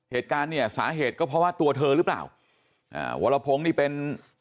เหตุการณ์เนี่ยสาเหตุก็เพราะว่าตัวเธอหรือเปล่าอ่าวรพงศ์นี่เป็น